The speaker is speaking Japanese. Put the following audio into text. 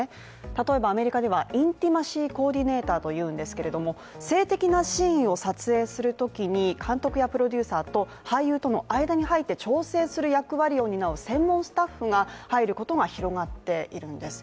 例えばアメリカでは、インティマシー・コーディネーターというんですけれども、性的なシーンを撮影するときに、監督やプロデューサーと俳優との間に入って調整する役割を担う専門スタッフが入ることが広がっているんです。